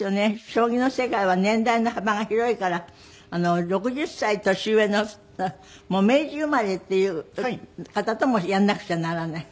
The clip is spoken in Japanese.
将棋の世界は年代の幅が広いから６０歳年上の明治生まれっていう方ともやんなくちゃならない？